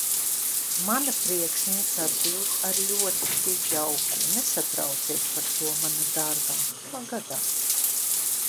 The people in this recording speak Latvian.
Mana priekšniece atbild ar ļoti jauku: Nesatraucies par to, mana dārgā, tā gadās.